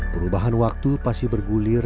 perubahan waktu pasti bergulir